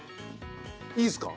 いいですか？